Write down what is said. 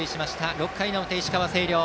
６回の表、石川・星稜。